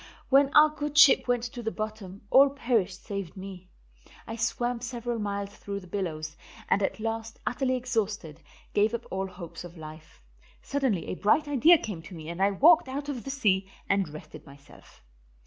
When our good ship went to the bottom, all perished save me. I swam several miles through the billows, and at last, utterly exhausted, gave up all hope of life. Suddenly a bright idea came to me and I walked out of the sea and rested myself.